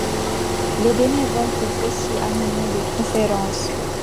Les bénévoles peuvent aussi animer des conférences.